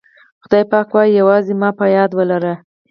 خدای پاک وایي یوازې ما په یاد ولره.